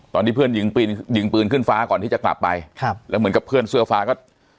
ตอนที่เพื่อนยิงปืนยิงปืนขึ้นฟ้าก่อนที่จะกลับไปครับแล้วเหมือนกับเพื่อนเสื้อฟ้าก็